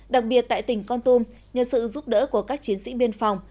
đặc biệt tại tỉnh con tum nhờ sự giúp đỡ của các chiến sĩ biên phòng